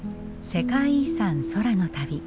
世界遺産空の旅。